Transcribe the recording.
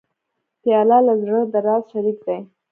پیاله د زړه د راز شریک دی.